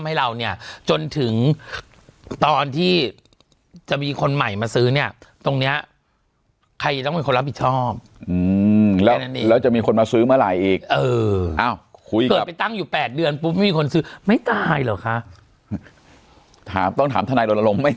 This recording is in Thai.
ให้เราเนี่ยจนถึงตอนที่จะมีคนใหม่มาซื้อเนี่ยตรงนี้ใคร